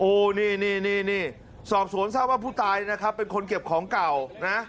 โอ้โหนี่นี่สอบสวนทราบว่าผู้ตายนะครับเป็นคนเก็บของเก่านะ